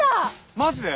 マジで？